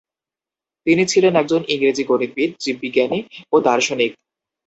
তিনি ছিলেন একজন ইংরেজি গণিতবিদ, জীববিজ্ঞানী ও দার্শনিক।